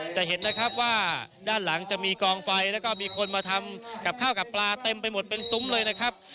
จะเห็นนะครับว่าด้านหลังจะมีกองไฟแล้วก็มีคนมาทำกับข้าวกับปลาเต็มไปหมดเป็นซุ้มเลยนะครับ